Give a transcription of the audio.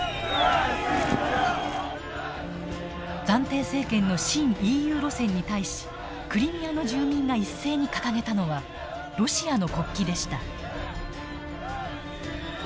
暫定政権の親ＥＵ路線に対しクリミアの住民が一斉に掲げたのはロシアの国旗でした。